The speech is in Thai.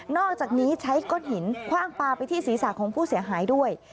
อกจากนี้ใช้ก้อนหินคว่างปลาไปที่ศีรษะของผู้เสียหายด้วย